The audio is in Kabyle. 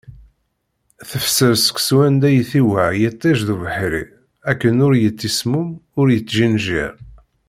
Tefser seksu anda i t-iweɛɛa yiṭij d ubeḥri, akken ur yettismum ur yettjinjiṛ.